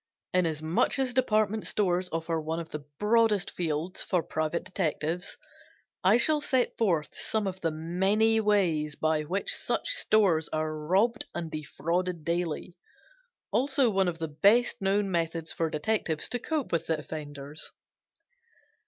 Inasmuch as department stores offer one of the broadest fields for private detectives, I shall set forth some of the many ways by which such stores are robbed and defrauded daily; also one of the best known methods for detectives to cope with the offenders.